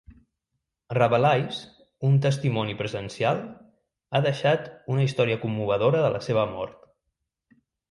Rabelais, un testimoni presencial, ha deixar una història commovedora de la seva mort.